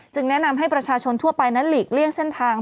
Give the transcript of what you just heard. แนะนำให้ประชาชนทั่วไปนั้นหลีกเลี่ยงเส้นทาง